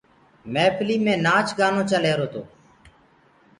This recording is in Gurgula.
مهڦلي مينٚ نآچ گآنو چل رهيرو تو۔